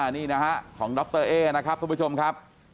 นี่นะฮะของดรเอ๊นะครับทุกผู้ชมครับ